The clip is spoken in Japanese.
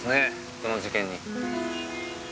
この事件に。